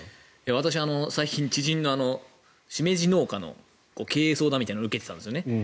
私、最近知人のシメジ農家の経営相談みたいなのを受けていたんですよね。